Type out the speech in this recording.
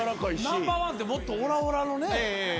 ナンバーワンってもっとオラオラのね。